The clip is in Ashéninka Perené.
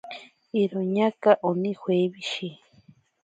Iroñaaka oni joeweshi.